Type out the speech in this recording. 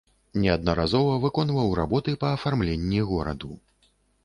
Неаднаразова выконваў работы па афармленні гораду.